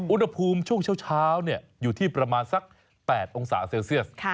อุณหภูมิช่วงเช้าอยู่ที่ประมาณสัก๘องศาเซลเซียส